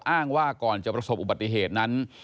อ้างว่าก่อนจะประสบอุบัติเหตุนั้น